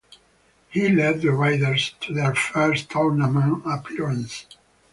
He led the Raiders to their first tournament appearance.